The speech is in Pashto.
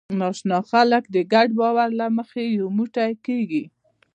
ناآشنا خلک د ګډ باور له مخې یو موټی کېږي.